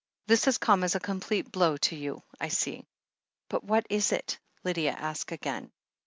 This has come as a complete blow to you, I see." "But what is it ?" Lydia asked again.